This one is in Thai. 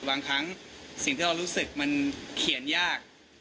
บางครั้งสิ่งที่เรารู้สึกมันเขียนยาก